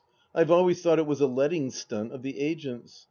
I have always thought it was a letting stunt of the agent's.